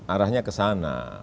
arahnya ke sana